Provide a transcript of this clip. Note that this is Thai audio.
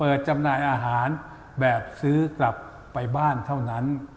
จำหน่ายอาหารแบบซื้อกลับไปบ้านเท่านั้น